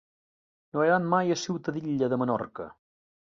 No he anat mai a Ciutadella de Menorca.